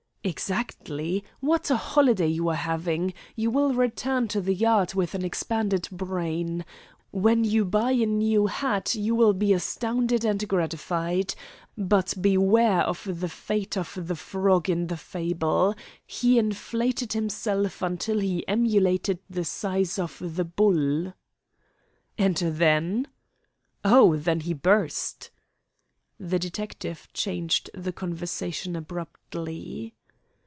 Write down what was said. "Exactly. What a holiday you are having! You will return to the Yard with an expanded brain. When you buy a new hat you will be astounded and gratified. But beware of the fate of the frog in the fable. He inflated himself until he emulated the size of the bull." "And then?" "Oh, then he burst." The detective changed the conversation abruptly.